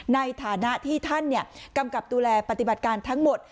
ในฐานะที่ท่านกำกับดูแลปฏิบัติการทั้งหมด